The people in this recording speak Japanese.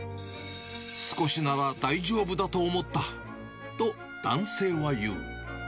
少しなら大丈夫だと思ったと、男性は言う。